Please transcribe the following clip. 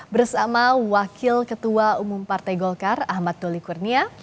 bersama wakil ketua umum partai golkar ahmad doli kurnia